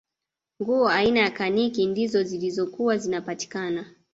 nguo aina ya kaniki ndizo zilizokuwa zinapatikana